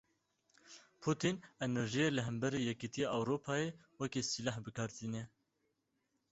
Putîn, enerjiyê li hemberî Yekîtiya Ewropayê wekî sîleh bi kar tîne.